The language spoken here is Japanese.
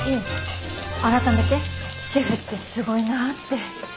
改めてシェフってすごいなって。